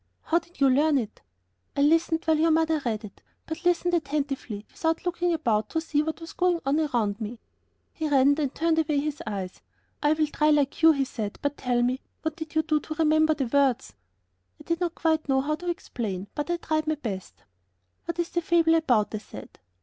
"How did you learn it?" "I listened while your mother read it, but I listened attentively without looking about to see what was going on round about me." He reddened, and turned away his eyes. "I will try, like you," he said, "but tell me, what did you do to remember the words?" I did not quite know how to explain, but I tried my best. "What is the fable about?" I said.